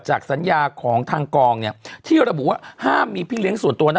สัญญาของทางกองเนี่ยที่ระบุว่าห้ามมีพี่เลี้ยงส่วนตัวนะ